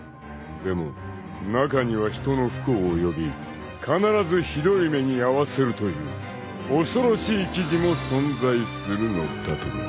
［でも中には人の不幸を呼び必ずひどい目に遭わせるという恐ろしい記事も存在するのだとか］